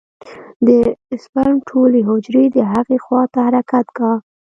د سپرم ټولې حجرې د هغې خوا ته حرکت کا.